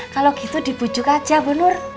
kalau gitu dibujuk aja bunur